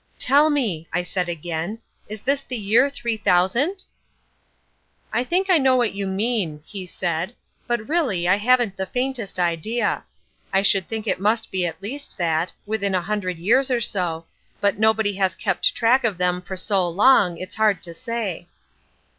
"Tell me," I said again, "is this the year 3000?" "I think I know what you mean," he said; "but really I haven't the faintest idea. I should think it must be at least that, within a hundred years or so; but nobody has kept track of them for so long, it's hard to say."